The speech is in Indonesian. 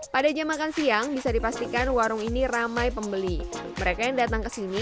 pada jam makan siang bisa dipastikan warung ini ramai pembeli mereka yang datang ke sini